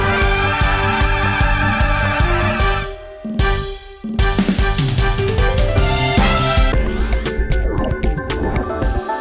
เวลาหมดลงแล้วกลับมาเจอกันใหม่นะคะ